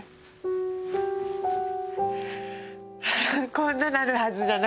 こんななるはずじゃなかった。